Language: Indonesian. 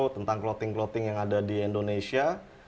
tentang clothing clothing yang ada di indonesia